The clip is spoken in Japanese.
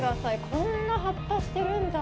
こんな葉っぱしてるんだ。